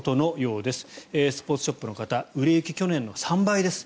スポーツショップの方売れ行き、去年の３倍です。